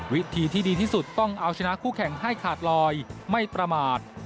วิธีที่ดีที่สุดต้องเอาชนะคู่แข่งให้ขาดลอยไม่ประมาท